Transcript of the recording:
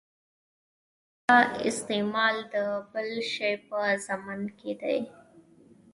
دا استعمال د بل شي په ضمن کې دی.